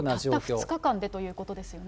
たった２日間でということですよね。